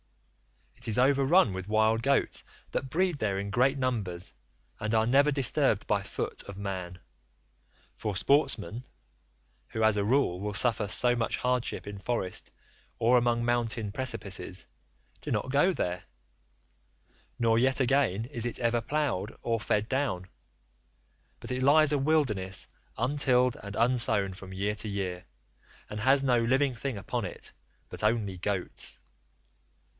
It is over run with wild goats, that breed there in great numbers and are never disturbed by foot of man; for sportsmen—who as a rule will suffer so much hardship in forest or among mountain precipices—do not go there, nor yet again is it ever ploughed or fed down, but it lies a wilderness untilled and unsown from year to year, and has no living thing upon it but only goats.